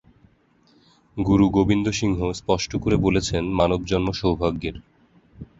গুরু গোবিন্দ সিংহ স্পষ্ট করে বলেছেন, মানব জন্ম সৌভাগ্যের।